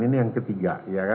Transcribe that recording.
ini yang ketiga